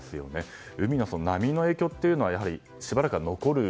海の波の影響はしばらくは残る？